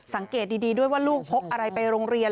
สังเกตดีด้วยว่าลูกพกอะไรไปโรงเรียน